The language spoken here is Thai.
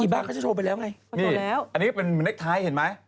อีบากก็จะโชว์ไปแล้วไงอันนี้เป็นเหมือนเน็กไทยเห็นไหม